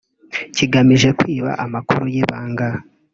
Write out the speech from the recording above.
kigamije kwiba amakuru y’ibanga